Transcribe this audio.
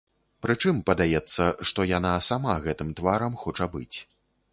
Прычым падаецца, што яна сама гэтым таварам хоча быць.